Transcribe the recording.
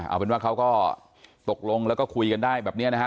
เอาเป็นว่าเขาก็ตกลงแล้วก็คุยกันได้แบบนี้นะฮะ